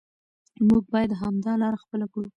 موږ باید همدا لاره خپله کړو.